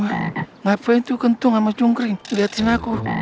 eh ngapain tuh kentung sama cungkring liatin aku